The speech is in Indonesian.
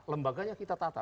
lembaganya kita tata